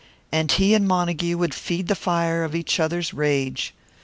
And he and Montague would feed the fires of each other's rage.